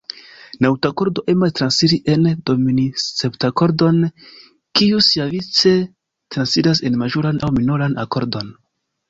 Naŭtakordo emas transiri en dominantseptakordon, kiu siavice transiras en maĵoran aŭ minoran akordon.